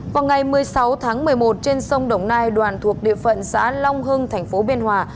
vào ngày một mươi sáu tháng một mươi một trên sông đồng nai đoàn thuộc địa phận xã long hưng thành phố biên hòa